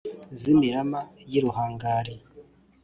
z ímiramá y i ruhangari